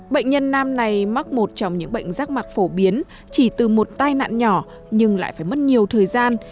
bệnh nhân nam này mắc một trong những bệnh rác mạc phổ biến chỉ từ một tai nạn nhỏ nhưng lại phải mất nhiều thời gian